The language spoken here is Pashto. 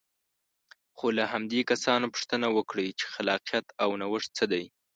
خو که له همدې کسانو پوښتنه وکړئ چې خلاقیت او نوښت څه دی.